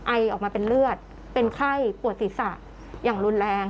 ไอออกมาเป็นเลือดเป็นไข้ปวดศีรษะอย่างรุนแรง